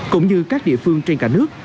cũng như các địa phương trên cả nước